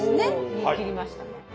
言い切りましたね。